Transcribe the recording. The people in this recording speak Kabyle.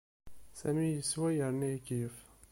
Sami yeswa yerna ikeyyef.